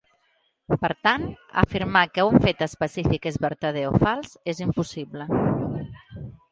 Per tant, afirmar que un fet específic és vertader o fals és impossible.